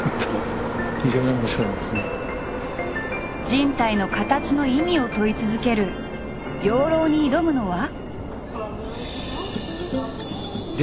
人体の形の意味を問い続ける養老に挑むのは。